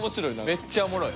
めっちゃおもろい。